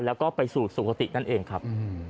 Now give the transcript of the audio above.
แล้วก็ไปสู่สุขตินั่นเองครับ